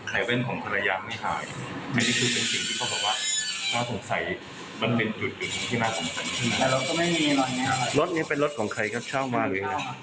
แต่เว่นของภรรยาไม่หายนี่คือเป็นสิ่งที่เขาบอกว่าถ้าสงสัยมันเป็นจุดหยุดที่น่าสงสัย